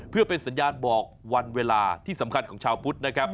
เพื่อเป็นสัญญาณบอกวันเวลาที่สำคัญของชาวพุทธนะครับ